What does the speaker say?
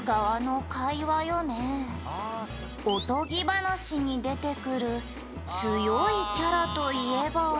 「おとぎ話に出てくる強いキャラといえば」